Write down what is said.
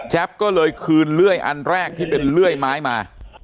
ก็เลยคืนเลื่อยอันแรกที่เป็นเลื่อยไม้มา